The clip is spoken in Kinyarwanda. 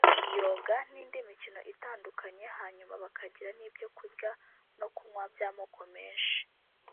Yoga n’indi mikino itandukanye hanyuma bakagira n’ibyo kurya no kunywa by’amoko menshi